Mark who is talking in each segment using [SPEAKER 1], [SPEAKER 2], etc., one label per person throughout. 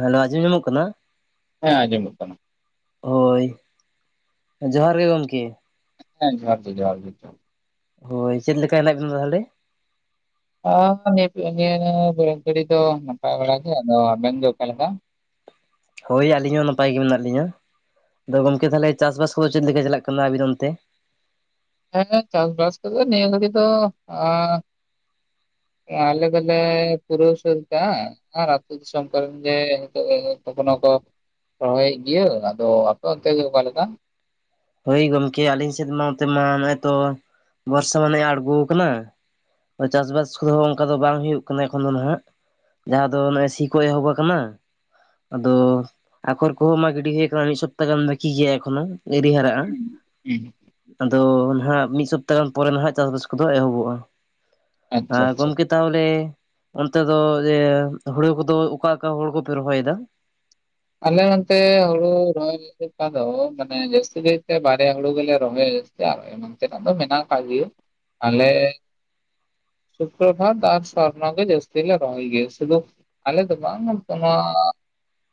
[SPEAKER 1] Hello ᱟᱸᱡᱚᱢ ᱧᱟᱢᱚᱜ ᱠᱟᱱᱟ?
[SPEAKER 2] ᱦᱮᱸ ᱟᱸᱡᱚᱢᱚᱜ ᱠᱟᱱᱟ᱾
[SPEAKER 1] ᱦᱚᱭ ᱡᱚᱦᱟᱨ ᱜᱮ ᱜᱚᱝᱠᱮ᱾
[SPEAKER 2] ᱦᱮᱸ ᱡᱚᱦᱟᱨ ᱜᱮ ᱡᱚᱦᱟᱨ ᱜᱮ ᱡᱚᱦᱟᱨ
[SPEAKER 1] ᱦᱚᱭ ᱪᱮᱫᱮ ᱞᱮᱠᱟ ᱦᱮᱱᱟᱜ ᱵᱤᱱᱟ ᱛᱟᱦᱚᱞᱮ?
[SPEAKER 2] ᱱᱚᱜ-ᱚᱭ [inaudible] ᱱᱤᱭᱟᱹ ᱫᱚ ᱱᱟᱯᱟᱭ ᱵᱟᱲᱟ ᱜᱮ ᱟᱫᱚ ᱟᱵᱮᱱ ᱫᱚ ᱚᱠᱟ ᱞᱮᱠᱟ?
[SPEAKER 1] ᱦᱟᱭ ᱟᱹᱞᱤᱧ ᱦᱚᱸ ᱱᱟᱯᱟᱭ ᱜᱮ ᱢᱮᱱᱟᱜ ᱞᱤᱧᱟᱹ ᱾ ᱟᱫᱚ ᱜᱚᱢᱠᱮ ᱛᱟᱦᱚᱞᱮ ᱪᱟᱥ ᱵᱟᱥ ᱠᱚ ᱫᱚ ᱪᱮᱫ ᱞᱮᱠᱟ ᱪᱟᱞᱟᱜ ᱠᱟᱱᱟ ᱟᱵᱤᱱ ᱚᱱᱛᱮ?
[SPEAKER 2] ᱦᱮᱸ ᱦᱮᱸᱪᱟᱥ-ᱵᱟᱥ ᱠᱚᱫᱚ ᱱᱤᱭᱟᱹ ᱫᱚ [unintelligible] ᱟᱞᱮ ᱫᱚᱞᱮ ᱯᱩᱨᱟᱹᱣ ᱥᱟᱹᱫ ᱠᱟᱜ-ᱟ᱾ ᱨᱟ ᱟᱯᱮ ᱫᱤᱥᱚᱢ ᱠᱚᱨᱮᱱ ᱱᱤᱛᱚᱜ [unintelligible] ᱠᱚ ᱠᱟᱱᱟ ᱠᱚ᱾ ᱨᱚᱦᱚᱭᱮᱫ ᱜᱮᱤᱭᱟᱹ ᱟᱫᱚ ᱟᱯᱮ ᱚᱱᱛᱮ ᱫᱚ ᱚᱠᱟ ᱞᱮᱠᱟ?
[SPEAKER 1] ᱦᱚᱳᱭ ᱜᱚᱢᱠᱮ ᱟᱹᱞᱤᱧ ᱥᱮᱫ ᱢᱟ ᱚᱱᱚᱛᱮ ᱢᱟ ᱱᱚᱜᱼᱚᱭ ᱛᱚ ᱵᱚᱨᱥᱟ ᱢᱟᱱᱮ ᱟᱬᱜᱚ ᱟᱠᱟᱱᱟ᱾ ᱪᱟᱥ ᱵᱟᱥ ᱠᱚ ᱫᱚ ᱚᱱᱠᱟ ᱫᱚ ᱵᱟᱝ ᱦᱩᱭᱩᱜ ᱠᱟᱱᱟ ᱮᱠᱷᱚᱱ ᱫᱚ ᱦᱟᱜ᱾ ᱡᱟᱦᱟᱸ ᱫᱚ ᱱᱚᱜᱼᱚᱭ ᱥᱤ ᱠᱚ ᱮᱦᱚᱵ ᱟᱠᱟᱱᱟ᱾ ᱟᱫᱚ ᱟᱠᱷᱚᱨ ᱠᱚ ᱦᱚᱸ ᱢᱟ ᱜᱤᱰᱤ ᱦᱩᱭ ᱟᱠᱟᱱᱟ ᱢᱤᱫ ᱥᱚᱯᱛᱟ ᱜᱟᱱ ᱵᱠᱤ ᱜᱮᱭᱟ ᱮᱠᱷᱚᱱᱚ᱾ ᱮᱤᱨᱤ ᱦᱟᱨᱟᱜᱼᱟ ᱟᱫᱚ ᱱᱟᱦᱱᱟᱜ ᱢᱤᱫ ᱥᱚᱯᱛᱟᱦ ᱜᱟᱱ ᱯᱚᱨᱮ ᱱᱟᱦᱟᱜ ᱪᱟᱥ-ᱵᱟᱥ ᱠᱚ ᱫᱚ ᱮᱦᱚᱵᱚᱜᱼᱟ᱾
[SPEAKER 2] ᱟᱪᱪᱷᱟ
[SPEAKER 1] ᱟᱨ
[SPEAKER 2] ᱟᱪᱪᱷᱟ
[SPEAKER 1] ᱜᱚᱢᱠᱮ ᱛᱟᱦᱚᱞᱮ ᱚᱱᱛᱮ ᱫᱚ ᱤᱭᱟᱹ ᱦᱩᱲᱩ ᱠᱚ ᱫᱚ ᱚᱠᱟ ᱚᱠᱟ ᱦᱳᱲᱳ ᱠᱚ ᱯᱮ ᱨᱚᱦᱚᱭ ᱮᱫᱟ?
[SPEAKER 2] ᱟᱞᱮ ᱱᱚᱱᱛᱮ ᱦᱳᱨᱳ ᱨᱚᱦᱚᱭ ᱞᱮᱠᱟ ᱫᱚ ᱢᱟᱱᱮ ᱡᱟᱹᱥᱛᱤ ᱠᱟᱭ ᱛᱮ ᱵᱟᱨᱭᱟ ᱦᱩᱲᱩ ᱜᱮᱞᱮ ᱨᱚᱦᱚᱭ-ᱟ ᱡᱟᱹᱥᱛᱤ ᱟᱨ [unintelligible] ᱢᱮᱱᱟᱱ ᱛᱮᱱᱟᱜ ᱫᱚ ᱢᱮᱱᱟᱜ ᱠᱟᱜ ᱜᱮᱭᱟ ᱟᱞᱮ ᱥᱩᱯᱨᱚ ᱵᱷᱟᱫ ᱟᱨ ᱥᱚᱨᱱᱚ ᱜᱮ ᱡᱥᱛᱤ ᱞᱮ ᱨᱚᱦ ᱜᱮᱭᱟ ᱥᱩᱫᱩ ᱟᱞᱮ ᱫᱚ ᱵᱟᱝ ᱱᱚᱣᱟ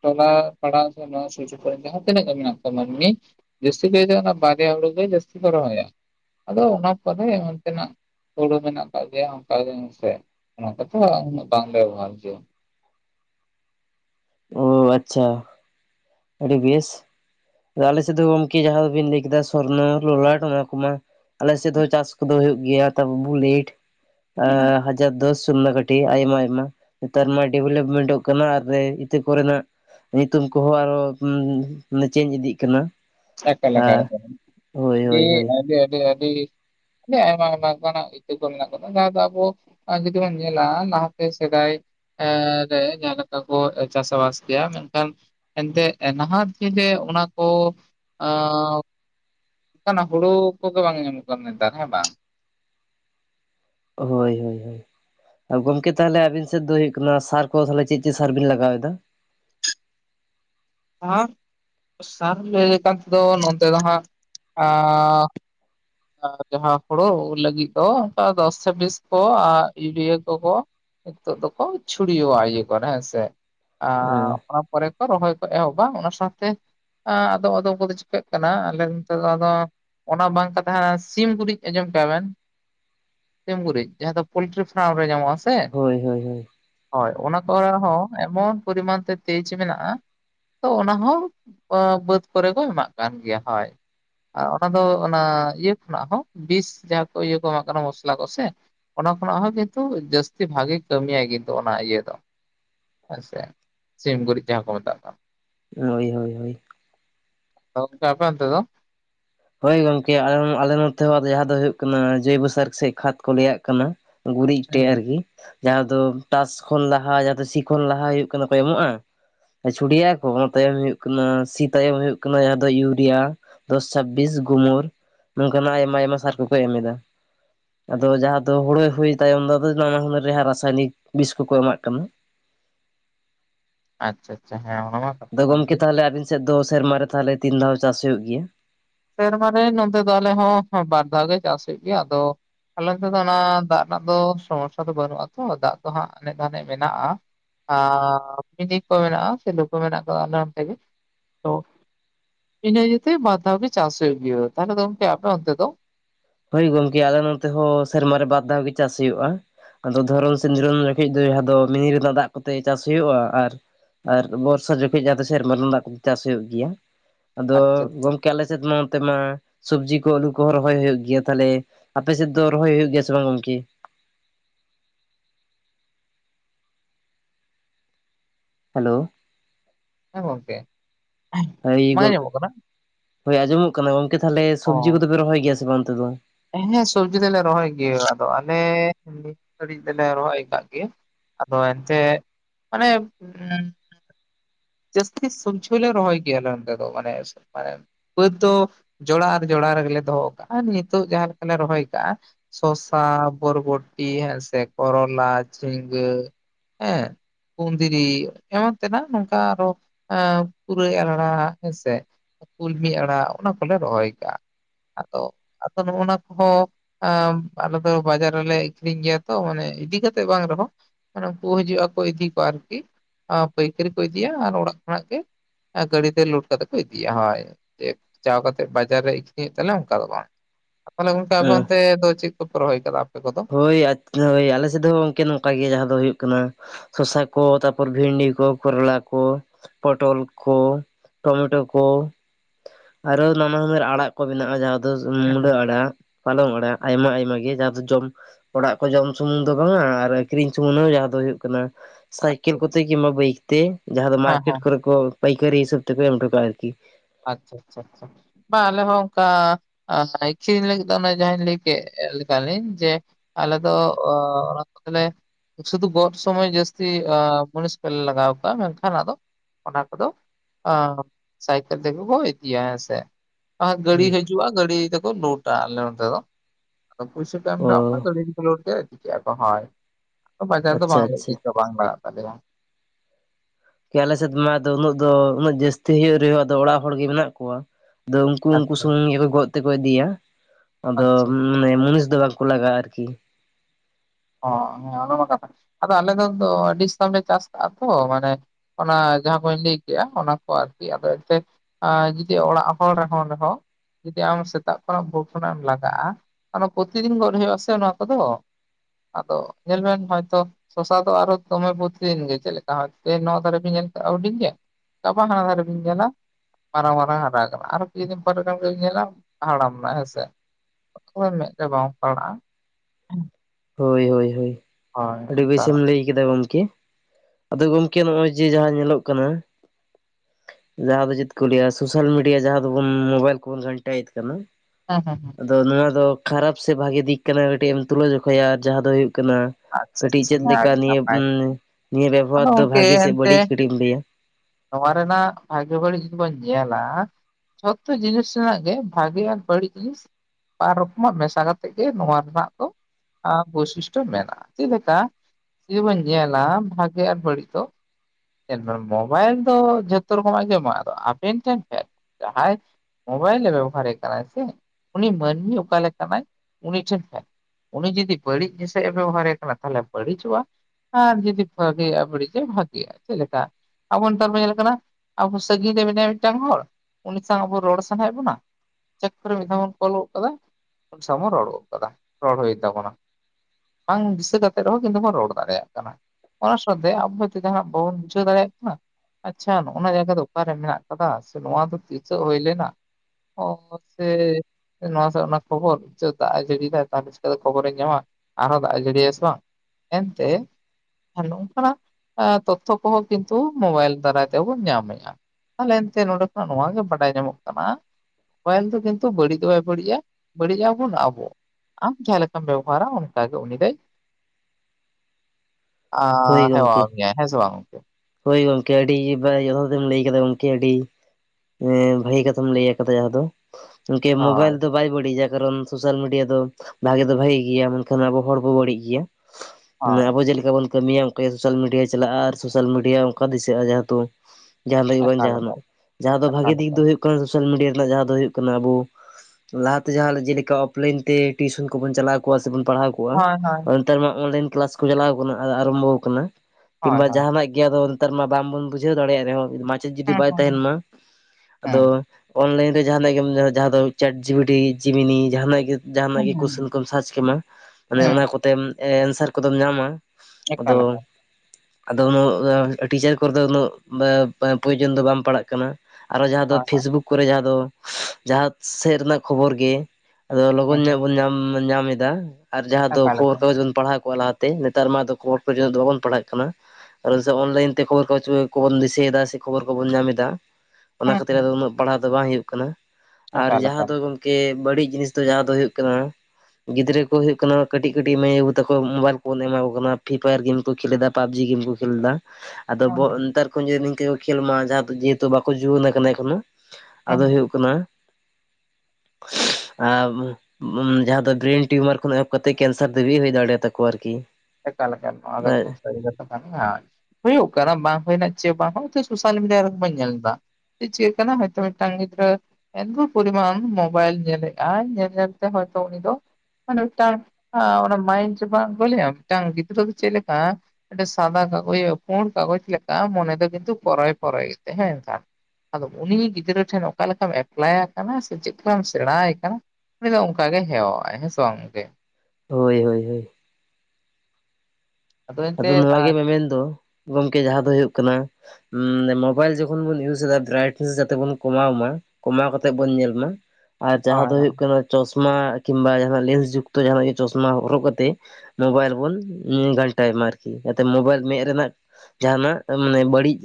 [SPEAKER 2] ᱴᱚᱞᱟ ᱯᱟᱲᱟ ᱥᱮ ᱱᱚᱣᱟ ᱥᱩᱨ ᱥᱩᱯᱩᱨ ᱨᱮ ᱡᱟᱦᱟᱸ ᱛᱤᱱᱟᱹᱜ ᱜᱮ ᱢᱮᱱᱟᱜ ᱠᱚᱣᱟ ᱢᱟᱹᱱᱢᱤ ᱡᱟᱹᱥᱛᱤ ᱜᱮ ᱵᱟᱨᱭᱟ ᱦᱩᱲᱩ ᱜᱮ ᱡᱟᱹᱥᱛᱤ ᱠᱚ ᱨᱚᱦᱚᱭᱟ ᱟᱫᱚ ᱚᱱᱟ ᱯᱚᱨᱮ ᱚᱱᱛᱮ ᱱᱟᱜ ᱦᱩᱲᱩ ᱢᱮᱱᱟᱜ ᱟᱠᱟᱫ ᱜᱮᱭᱟ ᱚᱱᱠᱟ ᱜᱮ ᱚᱱᱟᱠᱟ ᱜᱮ ᱦᱮᱸ ᱥᱮ ᱚᱱᱟ ᱠᱚᱫᱚ ᱩᱱᱟᱹ ᱜ ᱵᱟᱝ ᱵᱮᱵᱚᱦᱟᱨ ᱜᱮᱭᱟ᱾
[SPEAKER 1] ᱚ ᱟᱪᱪᱷᱟ ᱟᱹᱰᱤ ᱵᱮᱥ ᱟᱞᱮ ᱥᱮᱫᱩ ᱜᱚᱢᱠᱮ ᱡᱟᱦᱟᱸ ᱫᱚᱵᱤᱱ ᱞᱟᱹᱭ ᱠᱮᱫᱟ ᱥᱚᱨᱱᱚ ᱞᱚᱞᱟᱴ ᱠᱚᱢᱟ ᱟᱞᱮᱥᱮᱫ ᱦᱚᱸ ᱪᱟᱥ ᱠᱚ ᱫᱚ ᱦᱚᱭᱚᱜ ᱜᱮᱭᱟ ᱛᱟᱨᱯᱚᱨᱮ ᱵᱩᱞᱤᱮᱴ
[SPEAKER 2] ᱦᱩᱸ
[SPEAKER 1] ᱦᱟᱡᱟᱨ ᱫᱚᱥ ᱥᱩᱱᱱᱚ ᱠᱟᱹᱴᱷᱤ ᱟᱭᱢᱟ ᱟᱭᱢᱟ ᱱᱮᱛᱟᱨ ᱢᱟ ᱰᱮᱵᱷᱞᱚᱯᱢᱮᱱᱴ ᱚᱜ ᱠᱟᱱᱟ ᱟᱨ [unintelligible] ᱠᱚᱨᱮ ᱱᱟᱜ ᱧᱩᱛᱩᱢ ᱠᱚ ᱦᱚᱸ ᱟᱨᱚᱸ ᱪᱮᱧᱡᱽ ᱤᱫᱤᱜ ᱠᱟᱱᱟ ᱾
[SPEAKER 2] ᱪᱠᱟᱞᱟᱠᱟ ᱨᱮ ᱟᱹᱰᱤ
[SPEAKER 1] ᱦᱳᱭ ᱦᱳᱭ
[SPEAKER 2] ᱟᱹᱰᱤ ᱟᱹᱰᱤ ᱟᱹᱰᱤ ᱟᱭᱢᱟ ᱟᱭᱢᱟ ᱚᱱᱟᱜ ᱤᱛᱟᱹ ᱠᱚ ᱢᱮᱱᱟᱜ ᱠᱚᱛᱟ ᱡᱟᱦᱟᱸ ᱫᱚ ᱟᱵᱚ ᱡᱩᱫᱤ ᱵᱚᱱ ᱧᱮᱞᱟ ᱞᱟᱦᱟ ᱛᱮ ᱥᱮᱫᱟᱭ ᱮ ᱨᱮ ᱡᱟᱦᱟᱸ ᱞᱮᱠᱟ ᱠᱚ ᱪᱟᱥᱵᱟᱥ ᱜᱮᱭᱟ ᱢᱮᱱᱠᱷᱟᱱ ᱮᱱᱛᱮᱫ ᱱᱟᱦᱟᱜ ᱡᱮ ᱚᱱᱟᱠᱚ ᱚᱱᱠᱟᱱᱟᱜ ᱦᱩᱲᱩ ᱠᱚᱜᱮ ᱵᱟᱝ ᱧᱟᱢᱚᱜ ᱠᱟᱱᱟ ᱱᱮᱛᱟᱨ ᱦᱮᱸ ᱵᱟᱝ
[SPEAKER 1] ᱦᱚᱭ ᱦᱚᱭ ᱦᱚᱭ ᱜᱚᱝᱠᱮ ᱛᱟᱦᱚᱞᱮ ᱟᱵᱤᱱ ᱥᱮᱫ ᱫᱚ ᱦᱚᱭᱚᱜ ᱠᱟᱱᱟ ᱥᱟᱨ ᱠᱚ ᱛᱟᱦᱮ ᱪᱮᱫ ᱪᱮᱫ ᱥᱟᱨ ᱵᱤᱱ ᱞᱟᱜᱟᱣᱮᱫᱟ?
[SPEAKER 2] ᱟᱨ ᱥᱟᱨ ᱞᱟᱹᱭ ᱞᱮᱠᱟᱱ ᱛᱮᱫᱚ ᱱᱚᱛ ᱫᱚ ᱦᱟᱸᱜ ᱟᱻ ᱡᱟᱦᱟᱸ ᱦᱩᱲᱩ ᱞᱟᱹᱜᱤᱫ ᱫᱚ ᱚᱱᱠᱟ ᱫᱚ ᱥᱮ ᱵᱤᱥ ᱠᱚ ᱟᱨ ᱤᱭᱩᱨᱤᱭᱟ ᱠᱚᱠᱚ ᱱᱤᱛᱚᱜ ᱫᱚᱠᱚ ᱪᱷᱩᱲᱭᱟᱹᱼᱣᱟ ᱤᱭᱟᱹ ᱠᱚᱨᱮ ᱦᱮᱸ ᱥᱮ
[SPEAKER 1] ᱦᱮᱸ
[SPEAKER 2] ᱟᱨ ᱯᱚᱨᱮ ᱠᱚ ᱨᱚᱦᱚᱭ ᱠᱚ ᱮᱦᱚᱵᱟ ᱚᱱᱟ ᱥᱟᱶ ᱛᱮ ᱟᱫᱚ ᱟᱫᱚ ᱠᱚᱫᱚ ᱪᱤᱠᱟᱹᱜ ᱠᱟᱱᱟ ᱟᱞᱮ ᱱᱚᱛᱮ ᱫᱚ ᱟᱫᱚ ᱚᱱᱟ ᱵᱟᱝ ᱠᱟᱛᱮ ᱥᱤᱢ ᱜᱩᱨᱤᱡ ᱟᱸᱡᱚᱢ ᱠᱟᱜ ᱵᱮᱱ ᱥᱤᱢ ᱜᱩᱨᱤᱡ ᱡᱟᱦᱟᱸ ᱫᱚ ᱯᱳᱞᱴᱨᱤ ᱯᱷᱟᱨᱢ ᱨᱮ ᱧᱟᱢᱚᱜ ᱟ ᱥᱮ
[SPEAKER 1] ᱦᱳᱭ ᱦᱳᱭ ᱦᱳᱭ
[SPEAKER 2] ᱦᱳᱭ ᱚᱱᱟ ᱠᱚᱨᱮ ᱦᱚᱸ ᱮᱢᱚᱱ ᱯᱚᱨᱤᱢᱟᱱ ᱛᱮ ᱛᱮᱡᱽ ᱢᱮᱱᱟᱜ-ᱟ ᱛᱚ ᱚᱱᱟ ᱦᱚᱸ ᱵᱟᱹᱫᱽ ᱠᱚᱨᱮ ᱠᱚ ᱮᱢᱟᱜ ᱠᱟᱱ ᱜᱮᱭᱟ ᱦᱳᱭ ᱟᱨ ᱚᱱᱟ ᱫᱚ ᱚᱱᱟ ᱤᱭᱟᱹ ᱠᱷᱚᱱᱟᱜ ᱦᱚᱸ ᱵᱤᱥ ᱡᱟᱦᱟᱸ ᱠᱚ ᱤᱭᱟᱹ ᱠᱚ ᱮᱢᱟᱜ ᱠᱟᱱᱟ ᱢᱚᱥᱞᱟ ᱠᱚᱥᱮ ᱚᱱᱟ ᱠᱷᱚᱱᱟᱜ ᱦᱚᱸ ᱠᱤᱱᱛᱩ ᱡᱟᱹᱥᱛᱤ ᱵᱷᱟᱜᱮ ᱠᱟᱹᱢᱤᱭᱟ ᱠᱤᱱᱛᱩ ᱚᱱᱟ ᱤᱭᱟᱹ ᱫᱚ ᱦᱮᱸᱥᱮ ᱥᱤᱢ ᱜᱩᱨᱤᱡ ᱡᱟᱦᱟᱸ ᱠᱚ ᱢᱮᱛᱟᱜ ᱠᱟᱱ
[SPEAKER 1] ᱦᱳᱭ ᱦᱳᱭ ᱦᱳᱭ
[SPEAKER 2] ᱛᱚ ᱜᱚᱝᱠᱮ ᱟᱯᱮ ᱚᱱᱛᱮ ᱫᱚ
[SPEAKER 1] ᱦᱳᱭ ᱜᱚᱝᱠᱮ ᱟᱞᱮ ᱱᱚᱛᱮ ᱦᱚᱸᱡᱟᱦᱟᱸ ᱫᱚ ᱦᱳᱭᱳᱜ ᱠᱟᱱᱟ ᱡᱳᱭᱵᱚᱥᱟᱨᱠ ᱥᱮ ᱠᱷᱟᱫᱽ ᱠᱚ ᱞᱟᱹᱭᱟᱜ ᱠᱟᱱᱟ ᱜᱩᱨᱤᱡ
[SPEAKER 2] ᱦᱮᱸ
[SPEAKER 1] ᱴᱮᱡ ᱟᱨᱠᱤ ᱡᱟᱦᱟᱸ ᱫᱚ ᱴᱟᱥ ᱠᱷᱚᱱ ᱞᱟᱦᱟ ᱡᱟᱦᱟᱸ ᱥᱤ ᱠᱷᱚᱱ ᱞᱟᱦᱟ ᱦᱩᱭᱳᱜ ᱠᱟᱱᱟ ᱠᱚ ᱮᱢᱚᱜ-ᱟ ᱪᱷᱩᱲᱤᱭᱟ ᱠᱚ ᱚᱱᱟ ᱛᱟᱭᱚᱢ ᱦᱩᱭᱩᱜ ᱠᱟᱱᱟ ᱥᱤ ᱛᱟᱭᱚᱢ ᱦᱩᱭᱩᱜ ᱠᱟᱱᱟ ᱡᱟᱦᱟᱸ ᱫᱚ ᱤᱭᱩᱨᱤᱭᱟ ᱪᱷᱟᱵᱤᱥ ᱜᱩᱢᱩᱨ ᱱᱚᱝᱠᱟᱱᱟᱜ ᱟᱭᱢᱟ ᱟᱭᱢᱟ ᱥᱟᱨ ᱠᱚᱠᱚ ᱮᱢ ᱮᱫᱟ ᱟᱫᱚ ᱡᱟᱦᱟᱸ ᱫᱚ ᱦᱳᱲᱳ ᱦᱩᱭ ᱛᱟᱭᱚᱢ ᱱᱟᱱᱟ ᱦᱩᱱᱟᱹᱨ ᱨᱟᱥᱟᱭᱚᱱᱤᱠ ᱵᱤᱥ ᱠᱚᱠᱚ ᱮᱢᱟᱜ ᱠᱟᱱᱟ
[SPEAKER 2] ᱟᱪᱪᱷᱟ ᱟᱪᱪᱷᱟ ᱦᱮᱸ ᱚᱱᱟ ᱢᱟ ᱠᱟᱛᱷᱟ
[SPEAKER 1] ᱟᱫᱚ
[SPEAKER 2] ᱠᱟᱱ ᱜᱮ
[SPEAKER 1] ᱜᱚᱢᱠᱮ ᱛᱟᱦᱚᱞᱮ ᱟᱵᱤᱱ ᱥᱮᱫ ᱫᱚ ᱥᱮᱨᱢᱟᱨᱮ ᱛᱟᱦᱚᱞᱮ ᱛᱤᱱ ᱫᱷᱟᱣ ᱪᱟᱥ ᱦᱩᱭᱩᱜ ᱜᱮᱭᱟ
[SPEAKER 2] ᱥᱮᱨᱢᱟ ᱨᱮ ᱱᱚᱛᱮ ᱫᱚ ᱟᱞᱮ ᱦᱚᱸ ᱵᱟᱨ ᱫᱷᱟᱣ ᱜᱮ ᱪᱟᱥ ᱦᱩᱭᱩᱜ ᱜᱮᱭᱟ ᱟᱫᱚ ᱟᱞᱮ ᱚᱱᱛᱮ ᱫᱚ ᱚᱱᱟ ᱫᱟᱜ ᱨᱮᱱᱟᱜ ᱫᱚ ᱥᱚᱢᱚᱥᱟ ᱫᱚ ᱵᱟᱹᱱᱩᱜ ᱟᱛᱚ ᱫᱟᱜ ᱫᱚ ᱦᱟᱸᱜ ᱟᱱᱮᱡ ᱫᱷᱟᱱᱮᱡ ᱢᱮᱱᱟᱜ-ᱟ ᱟᱨ ᱢᱮᱱᱤᱠᱚ ᱢᱮᱱᱟᱜ-ᱟ ᱥᱮᱞᱩ ᱠᱚ ᱢᱮᱱᱟᱜ ᱟᱠᱟᱫᱟ ᱟᱞᱮ ᱱᱚᱛᱮ ᱜᱮ ᱛᱚ ᱤᱱᱟ ᱤᱭᱟᱹᱛᱮ ᱵᱟᱨᱫᱷᱟᱣ ᱜᱮ ᱪᱟᱥ ᱦᱩᱭᱩᱜ ᱜᱮᱭᱟ ᱛᱟᱦᱞᱮ ᱜᱚᱝᱠᱮ ᱟᱯᱮ ᱚᱱᱛᱮ ᱫᱚ
[SPEAKER 1] ᱦᱳᱭ ᱜᱚᱝᱠᱮ ᱟᱞᱮ ᱱᱚᱛᱮ ᱦᱚᱸ ᱥᱮᱨᱢᱟ ᱨᱮ ᱵᱟᱨ ᱫᱷᱟᱣ ᱜᱮ ᱪᱟᱥ ᱦᱩᱭᱩᱜ-ᱟ ᱟᱫᱚ ᱫᱷᱚᱨᱚᱱ ᱥᱮᱸᱫᱽᱨᱚᱱ ᱡᱚᱠᱷᱮᱡ ᱫᱚ ᱡᱟᱦᱟᱸ ᱫᱚ ᱢᱤᱱᱤ ᱨᱮᱱᱟᱜ ᱫᱟᱜ ᱠᱚᱛᱮ ᱪᱟᱥ ᱦᱩᱭᱩᱜ-ᱟ ᱟᱨ ᱟᱨ ᱵᱚᱨᱥᱟ ᱡᱚᱠᱷᱚᱱ ᱡᱟᱦᱟᱸ ᱛᱮ ᱥᱮᱨᱢᱟ ᱫᱟᱜ ᱠᱚᱫᱚ ᱪᱟᱥ ᱦᱩᱭᱩᱜ ᱜᱮᱭᱟ ᱟᱫᱚ
[SPEAKER 2] ᱟᱪᱪᱷᱟ
[SPEAKER 1] ᱜᱚᱝᱠᱮ ᱟᱞᱮᱥᱮᱫ ᱢᱟ ᱚᱱᱛᱮ ᱢᱟ ᱥᱚᱵᱽᱡᱤ ᱠᱚ ᱟᱞᱩ ᱠᱚᱦᱚᱸ ᱨᱚᱦᱚᱭ ᱦᱩᱭᱩᱜ ᱜᱮᱭᱟ ᱛᱟᱦᱚᱞᱮ ᱟᱯᱮ ᱥᱮᱫ ᱫᱚ ᱨᱚᱦᱚᱭ ᱦᱩᱭᱩᱜ ᱜᱮᱭᱟ ᱥᱮ ᱵᱟᱝ ᱜᱚᱝᱠᱮ ᱦᱮᱞᱳ
[SPEAKER 2] ᱦᱮᱸ ᱜᱚᱢᱠᱮ ᱵᱟᱝ
[SPEAKER 1] ᱦᱳᱭ ᱜᱚᱢ
[SPEAKER 2] ᱟᱸᱡᱚᱢᱚᱜ ᱠᱟᱱᱟ
[SPEAKER 1] ᱦᱳᱭ ᱟᱸᱡᱚᱢᱚᱜ ᱠᱟᱱᱟ ᱜᱚᱝᱠᱮ ᱛᱟᱦᱚᱞᱮ
[SPEAKER 2] ᱚ
[SPEAKER 1] ᱥᱚᱵᱽᱡᱤ ᱠᱚᱫᱚᱯᱮ ᱨᱚᱦᱚᱭ ᱜᱮᱭᱟ ᱥᱮ ᱵᱟᱝ ᱚᱱᱛᱮ ᱫᱚ
[SPEAKER 2] ᱦᱮᱸ ᱥᱚᱵᱽᱡᱤ ᱫᱚᱞᱮ ᱨᱚᱦᱚᱭ ᱜᱮᱭᱟ ᱟᱫᱚ ᱟᱞᱮ ᱱᱤᱭᱟᱹ ᱜᱷᱟᱹᱲᱤᱡ ᱫᱚᱞᱮ ᱨᱚᱦᱚᱭ ᱟᱠᱟᱫ ᱜᱮᱭᱟ ᱟᱫᱚ ᱮᱱᱛᱮ ᱢᱟᱱᱮ ᱡᱟᱹᱥᱛᱤ ᱥᱚᱵᱽᱡᱤ ᱦᱚᱞᱮ ᱨᱚᱦᱚᱭ ᱜᱮᱭᱟ ᱟᱞᱮ ᱚᱱᱛᱮ ᱫᱚ ᱢᱟᱱᱮ ᱢᱟᱱᱮ ᱵᱟᱹᱫᱽ ᱫᱚ ᱡᱚᱲᱟ ᱟᱨ ᱡᱚᱲᱟ ᱨᱮᱜᱮᱞᱮ ᱫᱚᱦᱚ ᱠᱟᱜ-ᱟ ᱱᱤᱛᱚᱜ ᱡᱟᱦᱟᱸ ᱞᱮᱠᱟ ᱞᱮ ᱨᱚᱦᱚᱭ ᱟᱠᱟᱜ-ᱟ ᱥᱚᱥᱟ ᱵᱚᱨᱵᱚᱴᱤ ᱦᱮᱸ ᱥᱮ ᱠᱚᱨᱚᱞᱟ ᱡᱷᱤᱸᱜᱟᱹ ᱦᱮᱸ ᱠᱩᱱᱫᱨᱤ ᱮᱢᱟᱱ ᱛᱮᱱᱟᱜ ᱱᱚᱝᱠᱟ ᱟᱨ ᱦᱚᱸ ᱯᱩᱨᱟᱹᱭ ᱟᱲᱟᱜ ᱦᱮᱸᱥᱮ ᱠᱩᱞᱢᱤ ᱟᱲᱟᱜ ᱚᱱᱟ ᱠᱚᱞᱮ ᱨᱚᱦᱚᱭ ᱠᱟᱜ-ᱟ ᱟᱫᱚ ᱟᱫᱚ ᱱᱚᱜ ᱱᱟ ᱠᱚᱦᱚᱸ ᱟᱞᱮ ᱫᱚ ᱵᱟᱡᱟᱨ ᱨᱮᱞᱮ ᱟᱠᱷᱨᱤᱧ ᱜᱮᱭᱟ ᱛᱚ ᱢᱟᱱᱮ ᱤᱫᱤ ᱠᱟᱛᱮᱫ ᱵᱟᱝ ᱨᱮᱦᱚᱸ ᱢᱟᱱᱮ ᱩᱱᱠᱩ ᱦᱤᱡᱩᱜ ᱟᱠᱚ ᱤᱫᱤ ᱠᱚ ᱟᱨ ᱠᱤ [unintelligible] ᱟᱨ ᱯᱟᱹᱭᱠᱟᱹᱨᱤ ᱠᱚ ᱤᱫᱤᱭᱟ ᱟᱨ ᱚᱲᱟᱜ ᱠᱷᱚᱱᱟᱜ ᱜᱮ᱾ ᱟᱨ ᱜᱟᱹᱲᱤ ᱛᱮ ᱞᱩᱴ ᱠᱟᱛᱮ ᱠᱚ ᱤᱫᱤᱭᱟ ᱦᱳᱭ᱾ ᱪᱮᱫ ᱪᱟᱣ ᱠᱟᱛᱮᱫ ᱵᱟᱡᱟᱨ ᱨᱮ ᱟᱠᱷᱨᱤᱧ ᱮᱫ ᱛᱟᱦᱮᱱᱟ ᱚᱱᱠᱟ ᱫᱚ ᱵᱟᱝ᱾ ᱛᱟᱦᱚᱞᱮ ᱜᱚᱝᱠᱮ ᱟᱯᱮ ᱚᱱᱛᱮ ᱫᱚ ᱪᱮᱫ ᱠᱚᱯᱮ ᱨᱚᱦᱚᱭ ᱠᱟᱫᱟ ᱟᱯᱮ ᱠᱚᱫᱚ
[SPEAKER 1] ᱦᱳᱭ [unintelligible] ᱦᱳᱭ ᱟᱞᱮᱥᱮᱫ ᱫᱚ ᱜᱚᱝᱠᱮ ᱱᱚᱝᱠᱟ ᱜᱮ ᱡᱟᱦᱟᱸ ᱫᱚ ᱦᱩᱭᱩᱜ ᱠᱟᱱᱟ ᱥᱚᱥᱟ ᱠᱚ, ᱛᱟᱨᱯᱚᱨ ᱵᱷᱤᱱᱰᱤ ᱠᱚ, ᱠᱚᱨᱞᱟ ᱠᱚ᱾ ᱯᱚᱴᱚᱞ ᱠᱚ ᱴᱚᱢᱮᱴᱳ ᱠᱚ ᱟᱨ ᱦᱚᱸ ᱱᱟᱱᱟᱦᱩᱱᱟᱹᱨ ᱟᱲᱟᱜ ᱠᱚ ᱢᱮᱱᱟᱜᱼᱟ ᱡᱟᱦᱟᱸ ᱫᱚ
[SPEAKER 2] ᱦᱮᱸ
[SPEAKER 1] ᱢᱩᱞᱟᱹ ᱟᱲᱟᱜ, ᱯᱟᱞᱚᱝ ᱟᱲᱟᱜ, ᱟᱭᱢᱟ ᱟᱭᱢᱟ ᱜᱮ ᱡᱟᱦᱟᱸ ᱫᱚ ᱡᱚᱢ ᱚᱲᱟᱜ ᱠᱚ ᱡᱚᱢ ᱥᱩᱢᱩᱝ ᱫᱚ ᱵᱟᱝᱼᱟ ᱟᱨ ᱟᱠᱷᱨᱤᱧ ᱥᱩᱢᱩᱝ ᱦᱚᱸ ᱡᱟᱦᱟᱸ ᱫᱚ ᱦᱩᱭᱩᱜ ᱠᱟᱱᱟ ᱥᱟ. ᱭᱠᱤᱞ
[SPEAKER 2] ᱟᱪᱪᱷᱟ ᱟᱪᱪᱷᱟ
[SPEAKER 1] ᱠᱚᱛᱮ ᱜᱤᱢ ᱟ. ᱜᱩᱭ ᱛᱮ ᱡᱟᱦᱟᱸ ᱫᱚ
[SPEAKER 2] ᱦᱮᱸ ᱦᱮᱸ
[SPEAKER 1] ᱢᱟᱨᱠᱮᱴ ᱠᱚᱨᱮ ᱠᱚ ᱯᱟ. ᱭᱠᱟ. ᱨᱤ ᱦᱤᱥᱟᱹᱵ ᱛᱮᱠᱚ ᱮᱢ ᱦᱚᱴᱚ ᱠᱟᱜ-ᱟ ᱟᱨᱠᱤ
[SPEAKER 2] ᱟᱪᱷᱟ ᱟᱪᱷᱟ ᱟᱪᱷᱟ, ᱵᱟ ᱟᱞᱮ ᱦᱚᱸ ᱚᱱᱠᱟ [unintelligible] ᱞᱟᱹᱜᱤᱫ ᱫᱚ ᱚᱱᱟᱧ ᱡᱟᱦᱟᱸ ᱞᱟᱹᱭ ᱠᱮᱫ ᱞᱮᱠᱟᱤᱧ ᱡᱮ ᱟᱞᱮ ᱫᱚ ᱚᱱᱟ ᱠᱳ ᱜᱤ ᱞᱮ..... ᱥᱩᱫᱷᱩ ᱜᱚᱫ ᱥᱚᱢᱚᱭ ᱡᱟᱹᱥᱛᱤ ᱯᱷᱩᱱᱤᱥ ᱠᱚᱞᱮ ᱞᱟᱜᱟᱣ ᱟᱠᱚᱟᱜᱼᱟ ᱢᱮᱱᱠᱷᱟᱱ ᱟᱫᱚ ᱚᱱᱟ ᱠᱚᱫᱚ ᱚᱸ ᱦᱟᱸ.... ᱠᱟᱛᱮ ᱠᱳᱠᱳ ᱤᱫᱤᱭᱟ ᱦᱮᱸ ᱥᱮ, ᱜᱟᱹᱲᱤ ᱦᱤᱡᱩᱜᱼᱟ ᱜᱟᱹᱲᱤ ᱛᱮᱠᱚ ᱞᱚᱰ-ᱟ ᱟᱞᱮ ᱱᱚᱸᱛᱮ ᱫᱚ᱾ ᱟᱫᱚ ᱯᱩᱭᱥᱟᱹ ᱮᱢ
[SPEAKER 1] ᱚ
[SPEAKER 2] ᱴᱚᱣᱟᱜ ᱠᱚᱣᱟ, ᱜᱟᱹᱰᱤ ᱨᱮᱠᱚ ᱞᱳᱴ ᱠᱮᱜ ᱟ ᱤᱫᱤ ᱠᱮᱫ ᱟᱠᱚ ᱦᱳᱭ᱾ ᱵᱟᱡᱟᱨ ᱫᱚ
[SPEAKER 1] ᱟᱪᱪᱷᱟ
[SPEAKER 2] ᱵᱟᱝ
[SPEAKER 1] ᱟᱪᱪᱷᱟ
[SPEAKER 2] [unintelligible] ᱵᱟᱝ ᱞᱟᱜᱟᱜ ᱛᱟᱞᱮᱭᱟ
[SPEAKER 1] ᱟᱞᱮᱥᱮᱫ ᱢᱟ ᱟᱫᱚ ᱩᱱᱟᱹᱜ ᱫᱚ ᱩᱱᱟᱹᱜ ᱡᱟᱹᱥᱛᱤ ᱦᱩᱭᱩᱜ ᱨᱮᱦᱚ ᱟᱫᱚ ᱚᱲᱟᱜ ᱦᱚᱲ ᱜᱮ ᱢᱮᱱᱟᱜ ᱠᱳᱣᱟ ᱟᱫᱚ ᱩᱱᱠᱩ ᱩᱱᱠᱩ
[SPEAKER 2] ᱟᱪᱪᱷᱟ
[SPEAKER 1] ᱥᱩᱢᱩᱝ ᱜᱮ ᱜᱚᱫ ᱛᱮᱠᱚ ᱤᱫᱤᱭᱟ ᱟᱫᱚ
[SPEAKER 2] ᱟᱪᱪᱷᱟ
[SPEAKER 1] ᱢᱟᱱᱮ ᱢᱩᱱᱤᱥ ᱫᱚ ᱵᱟᱝ ᱠᱚ ᱞᱟᱜᱟᱣᱟ ᱟᱨᱠᱤ
[SPEAKER 2] ᱦᱚᱸ ᱚᱱᱟ ᱢᱟ ᱠᱟᱛᱷᱟ ᱠᱟᱱ ᱜᱮᱭᱟ, ᱟᱫᱚ ᱟᱞᱮ ᱫᱚᱞᱮ [inaudible] ᱪᱟᱥ ᱠᱟᱜᱼᱟ ᱛᱚ ᱢᱟᱱᱮ ᱚᱱᱟ ᱡᱟᱦᱟᱸ ᱠᱚᱧ ᱞᱟᱹᱭ ᱠᱮᱜ-ᱟ ᱚᱱᱟ ᱠᱚ ᱟᱨᱠᱤ ᱟᱫᱚ ᱮᱱᱛᱮᱫ ᱟᱨ ᱡᱩᱫᱤ ᱚᱲᱟᱜ ᱦᱚᱲ ᱨᱮᱦᱚᱸ ᱨᱮᱦᱚᱸ ᱡᱩᱫᱤ ᱟᱢ ᱥᱮᱛᱟᱜ ᱠᱷᱚᱱᱟᱜ ᱵᱷᱳᱨ ᱠᱷᱚᱱᱟᱜ ᱮᱢ ᱞᱟᱜᱟᱜᱼᱟ ᱚᱱᱟ ᱯᱨᱚᱛᱤᱫᱤᱱ ᱜᱚᱫ ᱦᱩᱭᱩᱜ ᱟ ᱥᱮ ᱱᱚᱣᱟ ᱠᱚᱫᱚ ᱟᱫᱚ ᱧᱮᱞ ᱵᱮᱱ ᱦᱚᱭᱛᱚ ᱥᱚᱥᱟ ᱫᱚ ᱟᱨᱚ ᱫᱚᱢᱮ ᱯᱚᱨᱚᱛᱤ ᱫᱤᱱ ᱜᱮ ᱪᱮᱫ ᱞᱮᱠᱟ ᱦᱮᱸᱛᱮᱦᱮᱧ ᱱᱚᱣᱟ ᱫᱷᱟᱨᱮ ᱵᱤᱱ ᱧᱮᱞ ᱠᱮᱫ ᱟ ᱦᱩᱰᱤᱧ ᱜᱮ ᱜᱟᱯᱟ ᱦᱟᱱᱟ ᱫᱷᱟᱨᱮ ᱵᱤᱱ ᱧᱮᱞᱟ ᱢᱟᱨᱟᱝ ᱢᱟᱨᱟᱝ ᱦᱟᱨᱟ ᱟᱠᱟᱱᱟ ᱟᱨ ᱠᱤᱪᱷᱩ ᱫᱤᱱ ᱯᱚᱨᱮ ᱠᱷᱟᱱᱜᱮᱵᱤᱱ‌‌ ᱧᱮᱞᱟ ᱦᱟᱲᱟᱢ ᱮᱱᱟ ᱦᱮᱸᱥᱮ [unintelligible] ᱢᱮᱫ ᱨᱮ ᱵᱟᱝ ᱯᱟᱲᱟᱜᱼᱟ᱾
[SPEAKER 1] ᱦᱚᱭ ᱦᱚᱭ ᱦᱚᱭ
[SPEAKER 2] ᱦᱳᱭ
[SPEAKER 1] ᱟᱹᱰᱤ
[SPEAKER 2] ᱚᱱᱠᱟ
[SPEAKER 1] ᱵᱮᱥᱮᱢ ᱞᱟᱹᱭ ᱠᱮᱫᱟ ᱜᱚᱢᱠᱮ ᱟᱫᱚ ᱜᱚᱢᱠᱮ ᱱᱚᱜᱼᱚᱭ ᱡᱮ ᱡᱟᱦᱟᱸ ᱧᱮᱞᱚᱜ ᱠᱟᱱᱟ ᱡᱟᱦᱟᱸ ᱫᱚ ᱪᱮᱫ ᱠᱚ ᱞᱟᱹᱭᱟ ᱥᱳᱥᱟᱞ ᱢᱤᱰᱤᱭᱟ. ᱡᱟᱦᱟᱸ ᱫᱚᱵᱚᱱ ᱢᱳᱵᱟᱭᱤᱞ ᱠᱚᱵᱚᱱ ᱜᱷᱟᱴᱟᱭᱮᱫ ᱠᱟᱱᱟ
[SPEAKER 2] ᱦᱮᱸ ᱦᱮ ᱦᱮᱸ
[SPEAKER 1] ᱟᱫᱚ ᱱᱚᱣᱟ ᱫᱚ ᱠᱷᱟᱨᱟᱯ ᱥᱮ ᱵᱷᱟᱜᱮ ᱤᱫᱤᱜ ᱠᱟᱱᱟ ᱠᱟᱹᱴᱤᱡ ᱮᱢ ᱛᱩᱞᱟᱹ ᱡᱚᱠᱷᱟᱭᱟ ᱡᱟᱦᱟᱸ ᱫᱚ ᱦᱩᱭᱩᱜ ᱠᱟᱱᱟ
[SPEAKER 2] ᱟᱪᱪᱷᱟ
[SPEAKER 1] ᱠᱟᱹᱴᱤᱡ
[SPEAKER 2] ᱟᱪᱪᱷᱟ
[SPEAKER 1] ᱪᱮᱫ
[SPEAKER 2] ᱦᱮᱸ
[SPEAKER 1] ᱞᱮᱠᱟ
[SPEAKER 2] ᱟᱹᱰᱤ
[SPEAKER 1] ᱱᱤᱭᱟᱹ
[SPEAKER 2] ᱱᱟᱯᱟᱭ ᱠᱟᱛᱷᱟ᱾
[SPEAKER 1] ᱱᱤᱭᱟᱹ
[SPEAKER 2] ᱟᱫᱚ
[SPEAKER 1] ᱵᱮᱵᱚᱦᱟᱨ ᱫᱚ ᱵᱷᱟᱜᱤ ᱥᱮ ᱵᱟᱹᱲᱤᱡ ᱠᱟᱹᱴᱤᱡ ᱮᱢ ᱞᱟᱹᱭᱟ᱾
[SPEAKER 2] ᱱᱚᱶᱟ ᱨᱮᱱᱟᱜ ᱵᱷᱟᱹᱜᱤ ᱵᱟᱹᱲᱤᱡ ᱡᱩᱫᱤ ᱵᱚᱱ ᱧᱮᱞᱟ ᱡᱷᱚᱛᱚ ᱡᱤᱱᱤᱥ ᱨᱮᱱᱟᱜ ᱜᱮ ᱵᱷᱟᱜᱮ ᱟᱨ ᱵᱟᱹᱲᱤᱡ ᱡᱤᱱᱤᱥ ᱵᱟᱨ ᱨᱚᱠᱚᱢᱟᱜ ᱢᱮᱥᱟ ᱠᱟᱛᱮᱫ ᱜᱮ ᱱᱚᱣᱟ ᱨᱮᱱᱟᱜ ᱫᱚ ᱵᱳᱭᱥᱤᱥᱴᱚ ᱢᱮᱱᱟᱜᱼᱟ᱾ ᱪᱮᱫ ᱞᱮᱠᱟ ᱡᱩᱫᱤ ᱵᱚᱱ ᱧᱮᱞᱟ ᱵᱷᱟᱜᱮ ᱟᱨ ᱵᱟᱹᱲᱤᱡ ᱫᱚ ᱧᱮᱞ ᱢᱮ ᱢᱳᱵᱟᱭᱤᱞ ᱫᱚ ᱡᱷᱚᱛᱚ ᱨᱚᱠᱚᱢᱟᱜ ᱜᱮ ᱮᱢᱚᱜ ᱟᱭ ᱟᱫᱳ ᱟᱵᱮᱱ ᱴᱷᱮᱱ ᱯᱷᱮᱰ ᱡᱟᱦᱟᱸᱭ ᱢᱳᱵᱟᱭᱤᱞ ᱮ ᱵᱮᱵᱚᱦᱟᱨᱮ ᱠᱟᱱᱟᱭ ᱥᱮ ᱩᱱᱤ ᱢᱟᱹᱱᱢᱤ ᱚᱠᱟ ᱞᱮᱠᱟᱱᱟᱭ ᱩᱱᱤ ᱴᱷᱮᱱ ᱯᱷᱮᱰ᱾ ᱩᱱᱤ ᱡᱩᱫᱤ ᱵᱟᱹᱲᱤᱡ ᱜᱤ ᱥᱮᱜ-ᱮ ᱵᱮᱵᱚᱦᱟᱨᱮ ᱠᱟᱱᱟ ᱛᱟᱦᱚᱞᱮ ᱵᱟᱹᱲᱤᱡᱚᱜᱼᱟ᱾ ᱟᱨ ᱡᱩᱫᱤ ᱵᱷᱟᱹᱜᱤᱭᱟᱜ-ᱮ ᱵᱟᱲᱤᱡᱟ ᱵᱷᱟᱹᱜᱮᱜ-ᱟ ᱪᱮᱫ ᱞᱮᱠᱟ᱾ ᱟᱵᱚ ᱱᱮᱛᱟᱨ ᱵᱚᱱ ᱧᱮᱞ ᱮᱫ ᱠᱟᱱᱟ ᱟᱵᱚ ᱥᱟᱹᱜᱤᱧ ᱨᱮ ᱢᱮᱱᱟᱭᱟ ᱢᱤᱫᱴᱟᱝ ᱦᱚᱲ ᱩᱱᱤ ᱥᱟᱶ ᱟᱵᱚ ᱨᱚᱲ ᱥᱟᱱᱟᱭᱮᱫ ᱵᱚᱱᱟ ᱪᱮᱜ ᱠᱚᱨᱮ ᱢᱤᱫ ᱫᱷᱟᱣ ᱵᱚᱱ ᱠᱚᱞ ᱜᱚᱜ ᱠᱟᱫᱟ ᱩᱱ ᱥᱟᱶ ᱵᱚᱱ ᱨᱚᱲ ᱜᱚᱫ ᱠᱟᱫᱟ ᱨᱚᱲ ᱦᱩᱭᱮᱱ ᱛᱟᱵᱚᱱᱟ ᱵᱟᱝ ᱫᱤᱥᱟᱹ ᱠᱟᱛᱮ ᱨᱮᱦᱚᱸ ᱠᱤᱱᱛᱩ ᱵᱚᱱ ᱨᱚᱲ ᱫᱟᱲᱮᱭᱟᱜ ᱠᱟᱱᱟ ᱚᱱᱟ ᱥᱟᱶᱛᱮ ᱟᱵᱚ ᱦᱚᱭᱛᱳ ᱡᱟᱦᱟᱸ ᱵᱟᱵᱚᱱ ᱵᱩᱡᱷᱟᱹᱣ ᱫᱟᱲᱮᱭᱟᱜ ᱠᱟᱱᱟ ᱟᱪᱪᱷᱟ ᱱᱚᱜ ᱱᱚᱶᱟ ᱡᱟᱭᱜᱟ ᱫᱚ ᱚᱠᱟᱨᱮ ᱢᱮᱱᱟᱜ ᱟᱠᱟᱫᱟ ᱥᱮ ᱱᱚᱣᱟ ᱫᱚ ᱛᱤᱥᱚᱹᱜ ᱦᱩᱭ ᱞᱮᱱᱟ᱾ ᱚᱦᱚ... ᱥᱮ... ᱱᱚᱶᱟ ᱫᱚ ᱚᱱᱟ ᱠᱷᱚᱵᱚᱨ ᱫᱟᱜ ᱮ ᱡᱟᱹᱲᱤ ᱮᱫᱟᱭ ᱛᱟᱦᱚᱞᱮ ᱪᱤᱠᱟᱛᱮ ᱠᱷᱚᱵᱚᱨ ᱮᱧ ᱧᱟᱢᱟ ᱟᱨᱦᱚᱸ ᱫᱟᱜ ᱮ ᱡᱟᱹᱲᱤᱭᱟ ᱥᱮ ᱵᱟ.. ᱮᱱ ᱛᱮ ᱱᱚᱝᱠᱟᱱᱟᱜ ᱛᱚᱛᱷᱚ ᱠᱚᱦᱚᱸ ᱠᱤᱱᱛᱩ ᱢᱳᱵᱟᱭᱤᱞ ᱫᱟᱨᱟᱭ ᱛᱮᱵᱚᱱ ᱧᱟᱢᱮᱫᱼᱟ ᱛᱟᱦᱞᱮ ᱮᱱᱛᱮ ᱱᱚᱰᱮ ᱠᱷᱚᱱᱟᱜ ᱱᱚᱣᱟ ᱜᱮ ᱵᱟᱰᱟᱭ ᱧᱟᱢᱚᱜ ᱠᱟᱱᱟ ᱢᱳᱵᱟᱭᱮᱞ ᱫᱚ ᱠᱤᱱᱛᱩ ᱵᱟᱹᱲᱤᱡ ᱫᱚ ᱵᱟᱭ ᱵᱟᱹᱲᱤᱡᱼᱟ ᱵᱟᱹᱲᱤᱡ ᱟᱵᱚᱱ ᱟᱵᱚ ᱟᱢ ᱡᱟᱦᱟᱸ ᱞᱮᱠᱟᱢ ᱵᱮᱵᱚᱦᱟᱨᱟ ᱚᱱᱠᱟᱜ ᱜᱮ ᱩᱱᱤ ᱫᱚᱭ ᱟᱸ..... ᱦᱮᱣᱟ ᱦᱟᱢ ᱜᱮᱭᱟ ᱦᱮᱸ ᱥᱮ ᱜᱚᱢᱠᱮ
[SPEAKER 1] ᱦᱚᱭ ᱜᱚᱝᱠᱮ ᱟᱹᱰᱤ ᱤᱭᱟ. ᱵᱟ. ᱭ ᱤᱭᱟ ᱵᱤᱱ ᱞᱟ. ᱭ ᱠᱮᱫᱟ ᱜᱚᱢᱠᱮ ᱟᱹᱰᱤ ᱦᱮᱸ ᱵᱷᱟᱹᱜᱤ ᱠᱟᱛᱷᱟᱢ ᱞᱟᱹᱭ ᱟᱠᱟᱫᱟ ᱡᱟᱦᱟᱸ ᱫᱚ ᱜᱚᱢᱠᱮ
[SPEAKER 2] ᱦᱳᱭ
[SPEAKER 1] ᱢᱳᱵᱟᱭᱤᱞ ᱫᱚ ᱵᱟᱭ ᱵᱟᱹᱲᱤᱡᱟ ᱠᱟᱨᱚᱱ ᱥᱳᱥᱟᱞ ᱢᱤᱰᱤᱭᱟ ᱫᱚ ᱵᱷᱟᱜᱮ ᱫᱚ ᱵᱷᱟᱜᱤ ᱜᱮᱭᱟ ᱢᱮᱱᱠᱷᱟᱱ ᱟᱵᱚ ᱦᱚᱲ ᱵᱚ ᱵᱟᱹᱲᱤᱡ ᱜᱮᱭᱟ ᱢᱟᱱᱮ
[SPEAKER 2] ᱦᱳᱭ
[SPEAKER 1] ᱟᱵᱚ ᱪᱮᱫᱮᱠᱟ ᱵᱚᱱ ᱠᱟᱹᱢᱤᱭᱟ ᱚᱱᱠ ᱥᱳᱥᱟᱞ ᱢᱤᱰᱤᱭᱟ ᱪᱟᱞᱟᱜᱼᱟ ᱟᱨ ᱥᱳᱥᱟᱞ ᱢᱤᱰᱤᱭᱟ ᱚᱱᱠᱟ ᱫᱤᱥᱟᱹᱜᱼᱟ ᱡᱦᱮᱛᱩ ᱡᱟᱦᱟᱸ
[SPEAKER 2] ᱮᱠᱟᱞ ᱮᱠᱟᱞ
[SPEAKER 1] ᱡᱟᱦᱟᱸ ᱫᱚ ᱵᱷᱟᱜᱤ
[SPEAKER 2] ᱮᱠᱟᱞ
[SPEAKER 1] ᱫᱤᱠ
[SPEAKER 2] ᱮᱠᱟᱞ
[SPEAKER 1] ᱫᱚ ᱦᱩᱭᱩᱜ ᱠᱟᱱᱟ ᱥᱳᱥᱟᱞ ᱢᱤᱰᱤᱭᱟ ᱨᱮᱱᱟᱜ ᱡᱟᱦᱟᱸᱟᱸ ᱫᱚ ᱦᱩᱭᱩᱜ ᱠᱟᱱᱟ ᱟᱵᱚ ᱞᱟᱦᱟᱛᱮ ᱡᱟᱦᱟᱸ ᱡᱮᱞᱮᱠᱟ ᱚᱯᱞᱟᱭᱤᱱ ᱛᱮ ᱴᱤᱭᱩᱥᱚᱱ ᱠᱚᱵᱚᱱ ᱪᱟᱞᱟᱣ ᱠᱚᱣᱟ ᱥᱮᱵᱚᱱ ᱯᱟᱲᱦᱟᱣ ᱠᱚ
[SPEAKER 2] ᱦᱳᱭ ᱦᱳᱭ
[SPEAKER 1] ᱱᱮᱛᱟᱨ ᱢᱟ ᱚᱱᱞᱟᱭᱤᱱ ᱠᱞᱟᱥ ᱠᱚ ᱪᱟᱞᱟᱣ ᱠᱟᱱᱟ ᱟᱨᱟᱢᱵᱷᱚ ᱟᱠᱟᱱᱟ
[SPEAKER 2] ᱦᱳᱭ
[SPEAKER 1] ᱠᱤᱵᱟ
[SPEAKER 2] ᱦᱳᱭ
[SPEAKER 1] ᱡᱟᱦᱟᱱᱟᱜ ᱜᱮ ᱜᱮᱫᱚ ᱱᱮᱛᱟᱨ ᱢᱟ ᱵᱟᱝᱵᱚᱱ ᱵᱩᱡᱷᱟᱹᱣ ᱫᱟᱲᱮᱭᱟᱜ ᱨᱮᱦᱚᱸ ᱢᱟ ᱪᱮᱫ ᱡᱩᱫᱤ
[SPEAKER 2] ᱦᱩᱸ
[SPEAKER 1] ᱵᱟᱭ ᱛᱟᱦᱮᱱ
[SPEAKER 2] ᱦᱩᱸ
[SPEAKER 1] ᱢᱟ ᱟᱫᱚ
[SPEAKER 2] ᱦᱩᱸ
[SPEAKER 1] ᱚᱱᱞᱟᱭᱤᱱ ᱨᱮ ᱡᱟᱦᱟᱱᱟᱜ ᱜᱮᱢ ᱡᱟᱦᱟᱸ ᱫᱚ ᱪᱮᱴ ᱡᱤᱵᱤ ᱡᱤᱢᱤᱱᱤ ᱡᱟᱦᱟᱱᱟᱜ ᱜᱮ ᱡᱟᱦᱟᱱᱟᱜ
[SPEAKER 2] ᱦᱩᱸ
[SPEAKER 1] ᱜᱮ
[SPEAKER 2] ᱦᱩᱸ
[SPEAKER 1] ᱠᱥᱮᱱ ᱠᱚᱢ ᱥᱟᱨᱪ ᱠᱮᱢᱟ ᱢᱟᱱᱮ
[SPEAKER 2] ᱦᱩᱸ
[SPEAKER 1] ᱚᱱᱟ ᱠᱚᱛᱮᱢ ᱮᱱᱥᱟᱨ ᱠᱚᱫᱚᱢ ᱧᱟᱢᱟ ᱟᱫᱚ
[SPEAKER 2] ᱮᱠᱟᱞ ᱮᱠᱟᱞ
[SPEAKER 1] ᱟᱫᱚ ᱩᱱᱟᱹᱜ ᱴᱤᱪᱟᱨ ᱠᱚᱨᱮ ᱫᱚ ᱩᱱᱟᱹᱜ ᱯᱨᱚᱭᱳᱡᱚᱱ ᱫᱚ ᱵᱟᱢ ᱯᱟᱲᱟᱜ ᱠᱟᱱᱟ ᱟᱨᱚ ᱡᱟᱦᱟᱸ ᱫᱚ
[SPEAKER 2] ᱦᱳᱭ ᱦᱳᱭ
[SPEAKER 1] ᱯᱷᱮᱥᱵᱩᱠ ᱠᱚᱨᱮ ᱡᱟᱦᱟᱸ ᱫᱚ ᱡᱟᱦᱟᱸ ᱥᱮᱫ ᱨᱮᱱᱟᱜ ᱠᱷᱚᱵᱚᱨ ᱜᱮ ᱟᱫᱚ ᱞᱚᱜᱚᱱ
[SPEAKER 2] ᱦᱩᱸ
[SPEAKER 1] ᱧᱚᱜ ᱵᱚᱱ ᱧᱟᱢ ᱮᱫᱟ ᱟᱨ ᱡᱟᱦᱟᱸ ᱫᱚ
[SPEAKER 2] ᱮᱠᱟᱞ
[SPEAKER 1] ᱠᱷᱚᱵᱚᱨ
[SPEAKER 2] ᱮᱠᱟᱞ
[SPEAKER 1] ᱠᱟᱜᱚᱚᱡ ᱵᱚᱱ ᱯᱟᱲᱦᱟᱣ ᱠᱚᱣᱟ ᱞᱟᱦᱟᱛᱮ ᱱᱮᱛᱟᱨ ᱢᱟ ᱠᱚ ᱠᱚ ᱫᱚ ᱵᱟᱵᱚᱱ ᱯᱟᱲᱦᱟᱜ ᱠᱟᱱᱟ ᱟᱨ ᱚᱱᱞᱟᱭᱤᱱ ᱛᱮ ᱠᱷᱚᱵᱚᱨ ᱠᱟᱜᱡᱽ ᱠᱚᱵᱚᱱ ᱫᱤᱥᱟᱹᱭᱮᱫᱟ ᱥᱮ ᱠᱷᱚᱵᱚᱨ ᱠᱚᱵᱚᱱ ᱧᱟᱢ ᱮᱟ ᱚᱱᱟ
[SPEAKER 2] ᱦᱩᱸ ᱦᱩᱸ
[SPEAKER 1] ᱠᱷᱟᱹᱛᱤᱨᱫᱚ ᱩᱱᱟᱹᱜ ᱯᱟᱲᱦᱟᱣ ᱫᱚ ᱵᱟᱝ ᱦᱩᱭᱩᱜ ᱠᱟᱱᱟ ᱟᱨ
[SPEAKER 2] ᱮᱠᱟᱞ
[SPEAKER 1] ᱡᱟᱦᱟᱸ
[SPEAKER 2] ᱮᱠᱟᱞ
[SPEAKER 1] ᱫᱚ ᱜᱚᱝ ᱤ ᱵᱟᱹᱲᱤᱡ ᱡᱤᱱᱤᱥ ᱫᱚ ᱡᱟᱦᱟᱸ ᱫᱚ ᱦᱩᱭᱩᱜ ᱠᱟᱱᱟ᱾ ᱜᱤᱫᱽᱨᱟᱹ ᱠᱚᱳ ᱦᱩᱭᱩᱜᱳ ᱠᱟᱱᱟ ᱠᱟᱹᱴᱤᱡ ᱠᱟᱹᱴᱤᱡ ᱢᱟᱹᱭ ᱵᱟᱹᱵᱩ ᱛᱟᱠᱚ ᱢᱳᱵᱟᱭᱤᱞ ᱯᱷᱳᱱ ᱮᱢᱟ ᱠᱚᱣᱟ ᱯᱷᱨᱤ ᱯᱷᱟᱭᱟᱨ ᱜᱮᱢ ᱠᱚ ᱠᱷᱮᱞ ᱮᱟ ᱯᱟᱵᱡᱤ ᱜᱮᱢ ᱠᱚ ᱠᱷᱮᱞ ᱮᱟ ᱟᱫᱚ
[SPEAKER 2] ᱦᱩᱸ ᱦᱩᱸ
[SPEAKER 1] ᱱᱮᱛᱟᱨ ᱮᱠᱷᱚᱱ ᱡᱮ ᱱᱤᱝᱠ ᱠᱚ ᱠᱷᱮᱞ ᱢᱟ ᱫᱚ ᱡᱮᱦᱮᱛᱩ ᱵᱟᱠᱚ ᱡᱩᱣᱱᱟ ᱠᱟᱱᱟ ᱮᱠᱷᱚᱱᱳ
[SPEAKER 2] ᱦᱩᱸ
[SPEAKER 1] ᱟᱫᱚ
[SPEAKER 2] ᱦᱩᱸ
[SPEAKER 1] ᱦᱩᱭᱩᱜ ᱠᱟᱱᱟ
[SPEAKER 2] [inaudible]
[SPEAKER 1] ᱟᱨ ᱡᱟᱦᱟᱸ ᱫᱚ ᱵᱨᱮᱱ ᱴᱤᱭᱩᱢᱟᱨ ᱠᱷᱚᱱ ᱮᱦᱚᱵ ᱠᱟᱛᱮᱫ ᱠᱮᱱᱥᱟᱨ ᱫᱷᱟᱹᱵᱤᱡ ᱦᱩᱭ ᱫᱟᱲᱮᱭᱟ ᱛᱠᱚᱣᱟ ᱟᱨᱠᱤ
[SPEAKER 2] ᱞᱮᱫᱚᱢ ᱥ ᱜᱮ ᱠᱷᱟᱱ ᱦ ᱦᱩᱭᱩᱜ ᱠᱟᱱᱟ ᱵᱟᱝ ᱦᱩᱭᱱᱟ ᱪᱮ ᱵᱟᱝ ᱥᱳᱥᱟᱞ ᱢᱤᱰᱤᱭᱟ ᱨᱮᱜ ᱵᱚᱱ ᱧᱮᱞ ᱮᱫᱟ ᱴᱴᱷᱤᱠ ᱪᱮᱫ ᱪᱤᱠᱟᱹ ᱠᱟᱱᱟ ᱦᱛᱚ ᱢᱤᱫᱴᱟᱝ ᱢᱤᱫᱴᱟᱝ ᱜᱤᱫᱽᱨᱟᱹ ᱮᱱᱜ ᱯᱚᱨᱤᱢᱟᱱ ᱢᱳᱵᱟᱭᱤᱞ ᱧᱮᱞᱮᱫᱟᱭ ᱧᱮᱞ ᱧᱮᱞᱛᱮ ᱦᱚᱭᱛ ᱩᱱᱤ ᱫᱚ ᱢᱮ ᱢᱤᱫᱴᱟᱝ ᱚᱱᱟ ᱢᱟᱭᱤᱱ ᱪᱮ ᱵᱟᱝ ᱵᱭᱟ ᱢᱤᱫᱴᱟᱝ ᱜᱤᱫᱽᱨᱟᱹ ᱫᱚ ᱪᱮᱫ ᱞᱮᱠᱟ? ᱢᱤᱫᱴᱮ ᱥᱟᱫᱟ ᱠᱟᱜᱚᱡᱽ ᱯᱩᱬ ᱠᱟᱜᱚᱡᱽ ᱞᱮᱠᱟ ᱢᱚᱱᱮ ᱫᱚ ᱠᱤᱱᱛᱩ ᱯᱚᱨᱚᱭ ᱯᱚᱨᱚᱭ ᱜᱮ ᱠᱟᱛᱮ ᱦᱮᱸ ᱮᱱᱠᱷᱟᱱ ᱟᱫᱚ ᱩᱱᱤ ᱜᱤᱫᱽᱨᱟᱹ ᱴᱷᱮᱱ ᱚᱠᱟ ᱞᱮᱠᱟᱢ ᱮᱯᱞᱟᱭ ᱟᱠᱟᱱᱟ ᱥᱮ ᱪᱮᱫ ᱞᱮᱠᱟᱢ ᱥᱮᱬᱟᱭᱮ ᱠᱟᱱᱟ ᱩᱱᱤ ᱫᱚ ᱚᱱᱠᱟ ᱜᱮ ᱦᱮᱟᱭ ᱦᱮᱸᱥ ᱵᱟᱝᱜ ᱜᱮ
[SPEAKER 1] ᱦᱳᱭ ᱦᱳᱭ ᱦᱳᱭ ᱟᱫᱚ ᱱᱚᱶᱟ ᱫᱚ ᱜᱮ ᱢᱮᱱᱢᱮᱱ ᱫᱚ ᱜᱚᱢᱠᱮ ᱡᱟᱦᱟᱸ ᱫᱚ ᱦᱩᱭᱩᱜ ᱠᱟᱱᱟ᱾ ᱢᱳᱵᱟᱭᱤᱞ ᱡᱚᱠᱷᱚᱱ ᱵᱚᱱ ᱤᱭᱩᱡ ᱮᱫᱟ ᱵᱨᱟᱭᱴᱱᱮᱥ ᱡᱟᱛᱮ ᱵᱚᱱ ᱠᱚᱢᱟᱣ ᱢᱟ ᱠᱚᱢᱟᱣ ᱠᱟᱛᱮᱜ ᱵᱚᱱ ᱧᱮᱞ ᱢᱟ ᱟᱨ
[SPEAKER 2] ᱦᱳᱭ
[SPEAKER 1] ᱡᱟᱦᱟᱸ
[SPEAKER 2] ᱦᱳᱭ
[SPEAKER 1] ᱫᱚ ᱦᱳᱭᱩᱜ ᱠᱟᱱᱟ ᱪᱚᱥᱢᱟ ᱠᱤᱢᱵᱟ ᱡᱟᱦᱱᱟᱜ ᱞᱮᱱᱥ ᱡᱩᱠᱛᱚ ᱡᱟᱦᱱᱟᱜ ᱜᱮ ᱪᱚᱥᱢᱟ ᱦᱚᱨᱚᱜ ᱠᱟᱛᱮ ᱢᱳᱵᱟᱭᱤᱞ ᱵᱚᱱ ᱜᱷᱟᱱᱴᱟᱭ ᱢᱟ ᱟᱨᱠᱤ ᱡᱛᱮ ᱢᱳᱵᱟᱭᱤᱞ ᱢᱮᱫ ᱨᱮᱱᱟᱜ ᱡᱟᱦᱱᱟᱜ ᱢᱟᱱᱮ ᱵᱟᱹᱲᱤᱡ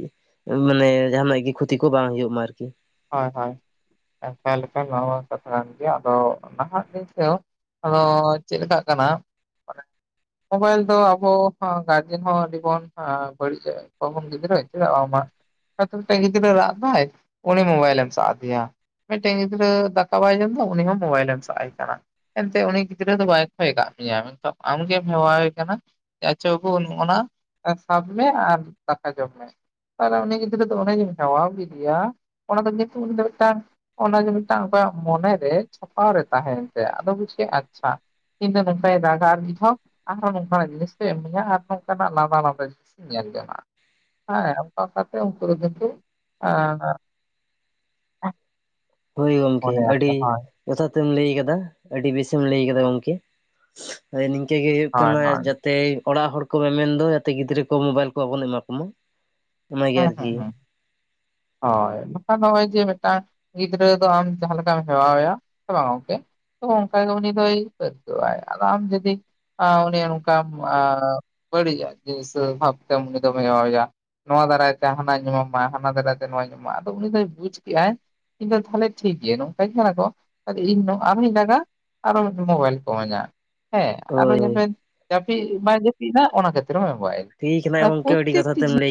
[SPEAKER 1] ᱢᱟᱱᱮ ᱡᱟᱦᱱᱟᱜ ᱜᱮ ᱠᱷᱚᱛᱤ ᱠᱚ ᱵᱟᱝ ᱦᱩᱭᱩᱜ ᱢᱟ ᱟᱨᱠᱤ
[SPEAKER 2] ᱦᱳᱭ ᱦᱳᱭᱮ ᱱᱚᱶᱟ ᱠᱟᱛᱷᱟ ᱠᱟᱱ ᱜᱮᱭᱟ ᱟᱫᱚ ᱱᱟᱦᱟᱜᱤᱱ ᱟᱫᱚ ᱪᱮᱫ ᱞᱮᱠᱟᱜ ᱠᱟᱱᱟ? ᱢᱳᱵᱟᱭᱤᱞ ᱫᱚ ᱟᱵᱚ ᱜᱟᱨᱡᱮᱱ ᱦᱚᱸ ᱟᱹᱰᱤ ᱵᱚᱱ ᱵᱟᱹᱲᱤᱡᱚᱜᱼᱟ ᱠᱚ ᱵᱚᱱ ᱜᱤᱫᱽᱨᱟᱹ ᱪᱮᱫᱟᱜ ᱵᱟᱝ ᱢᱟ ᱟᱨ ᱢᱤᱫ ᱴᱟᱜ ᱜᱤᱫᱽᱨᱟᱹ ᱨᱟᱜ ᱫᱟᱭ ᱩᱱᱤ ᱢᱳᱵᱟᱭᱤᱞᱮᱢ ᱥᱟᱵ ᱟᱫᱮᱭᱟ ᱢᱤᱫᱴᱮᱱ ᱜᱤᱫᱽᱨᱟᱹ ᱫᱟᱠᱟ ᱵᱟᱭ ᱡᱚᱢ ᱮᱫᱟ ᱩᱱᱤ ᱦᱚᱸ ᱢᱳᱵᱟᱭᱤᱞᱮᱢ ᱥᱟᱵ ᱟᱭ ᱠᱟᱱᱟ ᱮᱱᱛᱮᱫ ᱩᱱᱤ ᱜᱤᱫᱽᱨᱟᱹ ᱫᱚ ᱵᱟᱭ ᱠᱷᱚᱭ ᱟᱠᱟᱫ ᱢᱮᱭᱟ ᱢᱮᱱᱠᱦᱟᱱ ᱟᱢᱜᱮᱢ ᱦᱮᱣᱟᱭᱮ ᱠᱟᱱᱟ ᱟᱪᱷᱟ ᱵᱟᱹᱵᱩ ᱱᱚᱜ-ᱚᱱᱟ ᱥᱟᱵ ᱢᱮ ᱟᱨ ᱫᱟᱠᱟ ᱡᱚᱢ ᱢᱮ ᱛᱟᱦᱚᱞᱮ ᱩᱱᱤ ᱜᱤᱫᱽᱨᱟᱹ ᱫᱚ ᱮ ᱡᱮᱢ ᱦᱮᱣᱟᱣ ᱠᱮᱫᱮᱭᱟ ᱚᱱᱟ ᱫᱚ ᱩᱱᱤ ᱫᱚ ᱢᱤᱫᱴᱟᱝ ᱚᱱᱟ ᱡᱮ ᱢᱤᱫᱴᱟᱝ ᱚᱠᱚᱣᱟᱜ ᱢᱚᱱᱮᱨᱮ ᱪᱷᱟᱯᱟᱣ ᱨᱮ ᱛᱟᱦᱮᱱ ᱛᱟᱭᱟ ᱟᱫᱚ ᱵᱩᱡᱷᱟᱹᱣ ᱟᱪᱪᱷᱟ ᱤᱧᱫᱚ ᱱᱚᱝᱠᱟᱧ ᱨᱟᱜᱟ ᱟᱨ ᱤᱧᱦᱚᱸ ᱱᱚᱝᱠᱟᱱᱟᱜ ᱡᱤᱱᱤᱥ ᱠᱚ ᱮᱢᱟᱹᱧᱟ ᱟᱨᱦᱚᱸ ᱱᱚᱝᱠᱟ ᱞᱟᱸᱫᱟ ᱞᱟᱸᱫᱟᱧ ᱧᱮᱞ ᱡᱚᱝ ᱟ ᱦᱮᱸ ᱚᱱᱠᱟ ᱠᱟᱛᱮ ᱩᱱᱠᱩ ᱫᱚ ᱠᱤᱱᱛᱩ [inaudible] [inaudible]
[SPEAKER 1] ᱦᱳᱭ ᱜᱚᱢᱠᱮ ᱟᱹᱰᱤ ᱡᱚᱛᱷᱟ ᱛᱮᱢ ᱞᱟᱹᱭ ᱟᱠᱟᱫᱟ ᱟᱹᱰᱤ ᱵᱮᱥᱮᱢ ᱞᱟᱹᱭ ᱟᱠᱟᱫᱟ ᱜᱚᱢᱠᱮ᱾ ᱟ ᱱᱤᱝᱠᱟᱹ ᱜᱮ ᱦᱩᱭᱩᱜ ᱠᱟᱱᱟ ᱡᱟ ᱛᱮᱦᱮᱧ ᱚᱲᱟᱜ ᱦᱚᱲ ᱠᱚ ᱢᱮᱢᱮᱱ ᱫᱚ ᱡᱟᱛᱮ ᱜᱤᱫᱽᱨᱟᱹ ᱠᱚ ᱢᱳᱵᱟᱭᱤᱞ ᱠᱚ ᱵᱟᱵᱚᱱ ᱮᱢᱟ ᱠᱚ ᱢᱟ
[SPEAKER 2] ᱦᱮᱸ ᱦᱮᱸ ᱦᱮᱸ᱾ ᱦᱳᱭ ᱱᱟᱜ ᱠᱷᱟᱱ ᱱᱚᱜᱼᱚᱭ ᱡᱮ ᱢᱤᱫᱴᱟᱝ ᱜᱤᱫᱽᱨᱟᱹ ᱫᱚ ᱟᱢ ᱡᱟᱦᱟᱸ ᱞᱮᱠᱟᱢ ᱦᱮᱣᱟᱣ ᱭᱟ ᱥᱮ ᱵᱟᱝ ᱜᱚᱝᱠᱮ? ᱛᱚ ᱚᱱᱠᱟᱜᱮ ᱜᱮ ᱩᱱᱤ ᱫᱚᱭ ᱯᱟᱹᱠᱟᱹᱟᱭ ᱟᱨ ᱟᱢ ᱡᱚᱫᱤ, ᱟᱸ ᱩᱱᱤ ᱚᱱᱠᱟ ᱟᱸ ᱵᱟᱹᱲᱤᱡᱟᱜ ᱜᱮ ᱥᱮ [unintelligible] ᱱᱚᱣᱟ ᱫᱟᱨᱟᱭ ᱛᱮ ᱦᱟᱱᱟᱧ ᱮᱢᱟᱢᱟ ᱦᱟᱱᱟ ᱫᱟᱨᱟᱭᱛᱮ ᱱᱚᱣᱟᱧ ᱮᱢᱟᱢᱟ ᱟᱫᱚ ᱩᱱᱤ ᱫᱚᱭ ᱵᱩᱡᱽ ᱠᱮᱜᱟᱭ᱾ ᱤᱧ ᱫᱚ ᱛᱟᱦᱚᱞᱮ ᱴᱷᱤᱠ ᱜᱮ ᱱᱚᱝᱠᱟᱧ ᱠᱟᱱᱟ ᱠᱚ ᱤᱧ ᱟᱨᱦᱚᱸᱧ ᱨᱟᱜᱟ, ᱟᱨᱚ ᱢᱤᱫᱴᱮᱱ ᱢᱳᱵᱟᱭᱤᱞ ᱠᱚ ᱤᱢᱟᱹᱧᱟ᱾ ᱦᱮᱸ ᱟᱨᱚ
[SPEAKER 1] ᱦᱳᱭ
[SPEAKER 2] ᱧᱮᱞ
[SPEAKER 1] ᱦᱳᱭ
[SPEAKER 2] ᱢᱮ ᱡᱟᱹᱯᱤᱫ ᱦᱚᱹ ᱵᱟᱭ ᱡᱟᱹᱯᱤᱫᱼᱮᱜ ᱚᱱᱟ ᱠᱷᱟᱹᱛᱤᱨᱮᱢ ᱮᱢᱜᱚᱫ ᱟᱭ
[SPEAKER 1] ᱴᱷᱤᱠ ᱦᱮᱱᱟᱜ
[SPEAKER 2] ᱟᱨ
[SPEAKER 1] ᱜᱚᱢᱠᱮ ᱟᱹᱰᱤ
[SPEAKER 2] ᱯᱨᱚᱛᱮᱠᱴᱤ
[SPEAKER 1] ᱡᱚᱛᱷᱟᱛᱮᱢ
[SPEAKER 2] ᱡᱤᱱᱤᱥ
[SPEAKER 1] ᱞᱟᱹᱭ